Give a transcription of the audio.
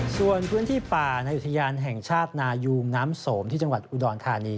ส่วนพื้นที่ป่าในอุทยานแห่งชาตินายุงน้ำสมที่จังหวัดอุดรธานี